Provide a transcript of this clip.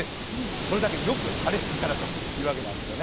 それだけよく晴れるからというわけなんですね。